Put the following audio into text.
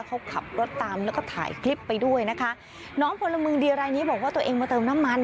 เขาขับรถตามแล้วก็ถ่ายคลิปไปด้วยนะคะน้องพลเมืองดีรายนี้บอกว่าตัวเองมาเติมน้ำมัน